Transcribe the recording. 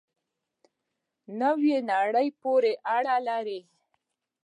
نوې نړۍ پورې اړه لري.